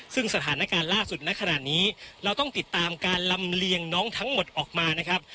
ซึ่งสถานการณ์ล่าสุดในขณะนี้เราต้องติดตามการลำเลียงน้องทั้งหมดออกมานะครับ